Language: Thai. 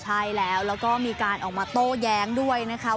ใช่แล้วแล้วก็มีการออกมาโต้แย้งด้วยนะคะ